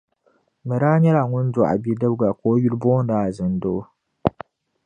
Bɛ daa nyɛla ban doɣi bidibiga ka o yuli booni Azindoo